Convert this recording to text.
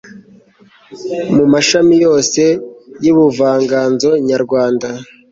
mu mashami yose y'ubuvanganzonyarwanda